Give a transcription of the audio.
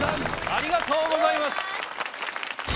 ありがとうございます。